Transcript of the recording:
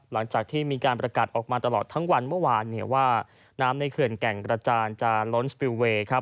หลังจากที่มีการประกาศออกมาตลอดทั้งวันเมื่อวานว่าน้ำในเขื่อนแก่งกระจานจะล้นสปิลเวย์ครับ